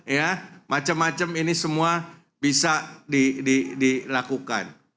ya macam macam ini semua bisa dilakukan